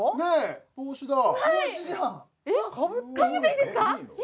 かぶっていいですか？